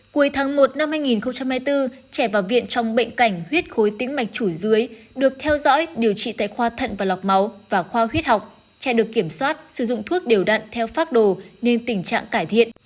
cuối tháng một năm hai nghìn hai mươi bốn trẻ vào viện trong bệnh cảnh huyết khối tĩnh mạch chủi dưới được theo dõi điều trị tại khoa thận và lọc máu và khoa huyết học trẻ được kiểm soát sử dụng thuốc điều đặn theo phác đồ nên tình trạng cải thiện